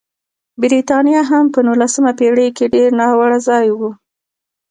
برېټانیا هم په نولسمه پېړۍ کې ډېر ناوړه ځای و.